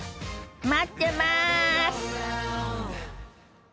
待ってます！